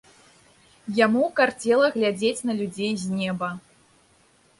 Яму карцела глядзець на людзей з неба.